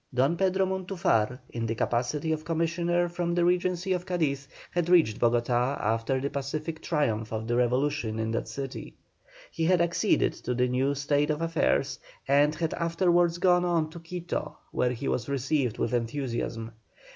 Don Pedro Montufar, in the capacity of commissioner from the Regency of Cadiz, had reached Bogotá after the pacific triumph of the revolution in that city. He had acceded to the new state of affairs, and had afterwards gone on to Quito, where he was received with enthusiasm.